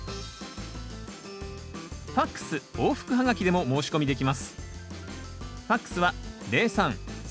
ＦＡＸ往復ハガキでも申し込みできます